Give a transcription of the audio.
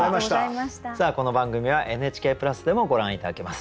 さあこの番組はＮＨＫプラスでもご覧頂けます。